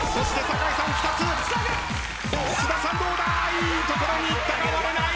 いいところにいったが割れない！